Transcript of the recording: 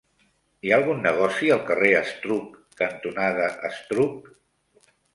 Hi ha algun negoci al carrer Estruc cantonada Estruc?